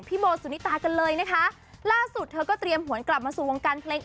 โบสุนิตากันเลยนะคะล่าสุดเธอก็เตรียมหวนกลับมาสู่วงการเพลง